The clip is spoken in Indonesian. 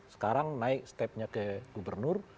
sekarang naik stepnya ke gubernur